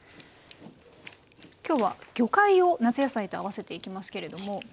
今日は魚介を夏野菜と合わせていきますけれども。